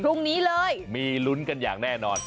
พรุ่งนี้เลยมีลุ้นกันอย่างแน่นอน